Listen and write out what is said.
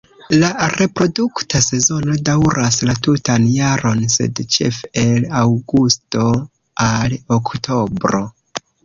La reprodukta sezono daŭras la tutan jaron sed ĉefe el aŭgusto al oktobro.